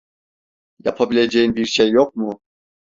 Yapabileceğin bir şey yok mu?